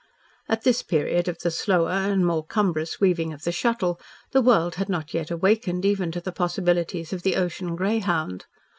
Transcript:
At this period of the slower and more cumbrous weaving of the Shuttle, the world had not yet awakened even to the possibilities of the ocean greyhound.